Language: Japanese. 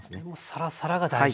サラサラが大事。